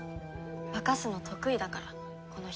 化かすの得意だからこの人。